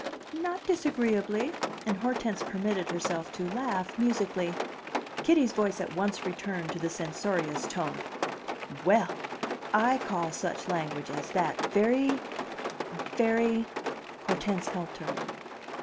"Not disagreeably." And Hortense permitted herself to laugh musically. Kitty's voice at once returned to the censorious tone. "Well, I call such language as that very very " Hortense helped her.